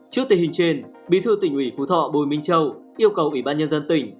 trước tình hình trên bí thư tỉnh ủy phú thọ bùi minh châu yêu cầu ủy ban nhân dân tỉnh